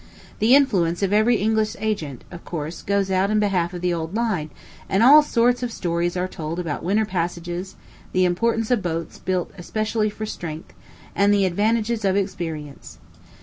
The influence of every English agent, of course, goes out in behalf of the old line; and all sorts of stories are told about winter passages, the importance of boats especially built for strength, and the advantages of experience.